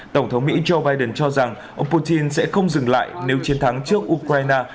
tổng thống mỹ joe biden cho rằng ông putin sẽ không dừng lại nếu chiến thắng trước ukraine